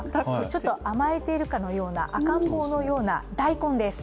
ちょっと甘えているかのような赤ん坊のような大根です。